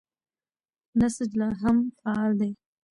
نسج لا هم فعال دی.